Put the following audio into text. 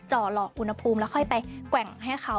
จ่อหลอกอุณหภูมิแล้วค่อยไปแกว่งให้เขา